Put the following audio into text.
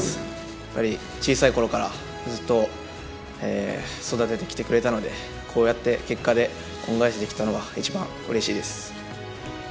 やっぱり小さいころからずっと育ててきてくれたのでこうやって結果で恩返しできたのが一番うれしいです。